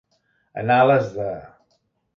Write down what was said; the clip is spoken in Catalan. En ales de.